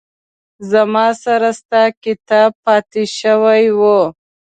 زما سره ستا کتاب پاتې شوي وه